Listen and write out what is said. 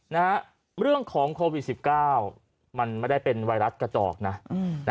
นะฮะเรื่องของโควิดสิบเก้ามันไม่ได้เป็นไวรัสกระจอกนะอืมนะ